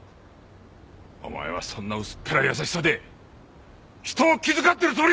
お前はそんな薄っぺらい優しさで人を気遣ってるつもりか！